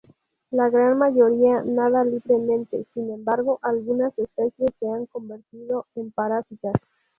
La gran mayoría nada libremente; sin embargo, algunas especies se han convertido en parásitas.